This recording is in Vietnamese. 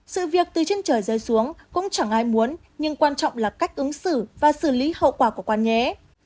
sự việc từ trên trời rơi xuống cũng chẳng ai muốn nhưng quan trọng là cách ứng xử và xử lý hậu quả của quán nhé